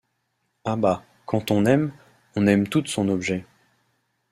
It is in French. Ah bah! quand on aime, on aime tout de son objet.